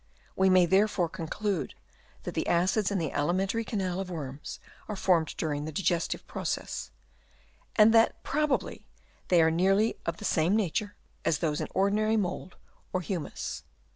We may there fore conclude that the acids in the alimentary canal of worms are formed during the diges tive process; and that probably they are nearly of the same nature as those in ordinary mould or humus.